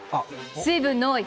水分の多い